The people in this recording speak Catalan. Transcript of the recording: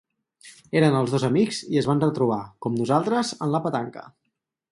Eren els dos amics i es van retrobar, com nosaltres, en la petanca...